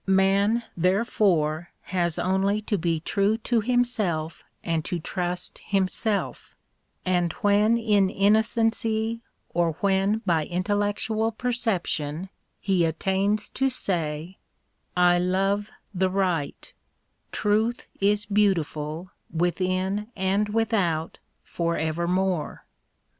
Man, therefore, has only to be true to himself and to trust himself, and when in innocency or when by intellectual perception he attains to say, " I love the Right: Truth is beautiful within and without for evermore.